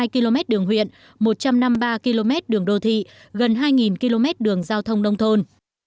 ba trăm ba mươi hai km đường huyện một trăm năm mươi ba km đường đô thị gần hai km đường giao thông đông thôn